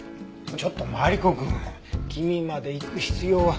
ちょっとマリコくん君まで行く必要は。